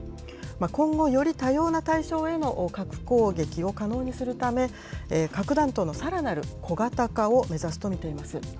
今後、より多様な対象への核攻撃を可能にするため、核弾頭のさらなる小型化を目指すと見ています。